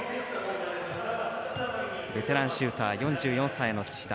ベテランシューター４４歳の土田。